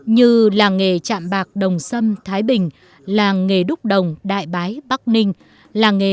như làng nghề trạm bạc đồng sâm thái bình làng nghề đúc đồng đại bái bắc ninh